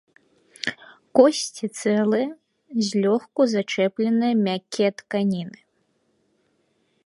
Косці цэлыя, злёгку зачэпленыя мяккія тканіны.